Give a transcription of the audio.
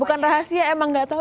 bukan rahasia emang gak tau